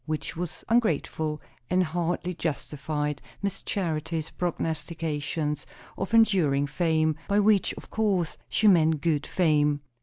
Which was ungrateful, and hardly justified Miss Charity's prognostications of enduring fame; by which, of course, she meant good fame.